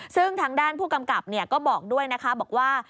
ซึ่งทางด้านผู้กำกับก็บอกด้วยนะคะบอกว่า